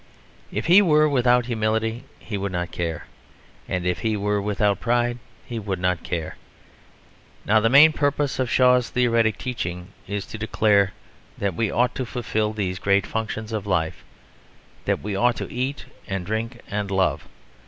If he were without humility he would not care; and if he were without pride he would not care. Now the main purpose of Shaw's theoretic teaching is to declare that we ought to fulfil these great functions of life, that we ought to eat and drink and love.